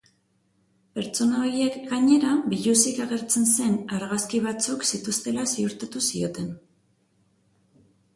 Pertsona horiek, gainera, biluzik agertzen zen argazki batzuk zituztela ziurtatu zioten.